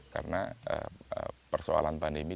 karena persoalan pandemi